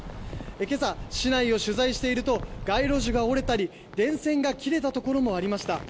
「今朝、市内を取材していると街路樹が折れたり電線が切れたところもありました」